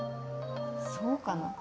そうかな？